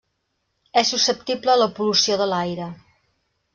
És susceptible a la pol·lució de l'aire.